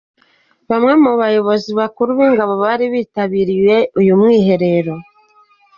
Bamwe mu bayobozi bakuru b’ingabo bari bitabiriye uyu mwiherero.